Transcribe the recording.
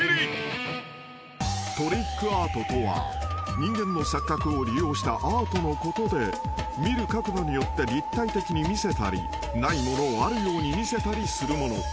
［トリックアートとは人間の錯覚を利用したアートのことで見る角度によって立体的に見せたりないものをあるように見せたりするもの］